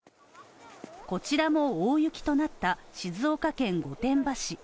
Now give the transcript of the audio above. こちらも大雪となった静岡県御殿場市。